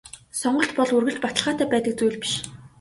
Сонголт бол үргэлж баталгаатай байдаг зүйл биш.